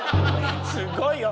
すごいよ。